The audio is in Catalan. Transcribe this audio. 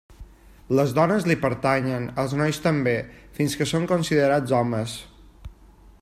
Les dones li pertanyen, els nois també, fins que són considerats homes.